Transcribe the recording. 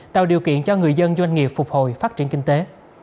tạo điều kiện cho người dân doanh nghiệp phục hồi phát triển kinh tế